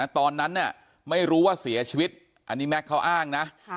ตอนนั้นไม่รู้ว่าเสียชีวิตอันนี้แม็กซ์เขาอ้างนะ